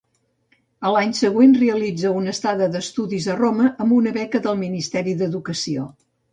A l'any següent realitza una estada d'estudis a Roma amb una beca del Ministeri d'Educació.